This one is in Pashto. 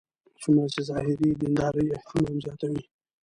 څومره چې ظاهري دیندارۍ اهتمام زیاتوي.